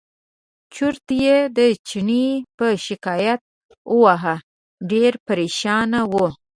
چورت یې د چڼي په شکایت وواهه ډېر پرېشانه و.